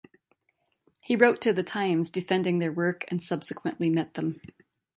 He wrote to "The Times" defending their work and subsequently met them.